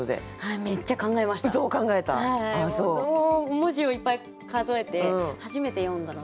文字をいっぱい数えて初めて詠んだので。